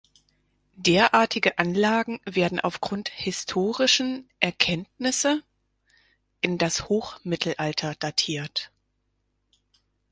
Derartige Anlagen werden aufgrund historischen Erkenntnisse in das Hochmittelalter datiert.